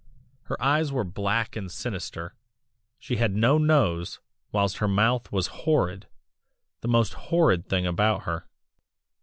Her eyes were black and sinister; she had no nose, whilst her mouth was horrid the most horrid thing about her.